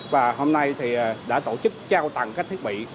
và hôm nay thì đã tổ chức trao tặng các thiết bị